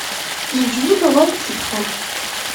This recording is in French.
Il joue le rôle-titre.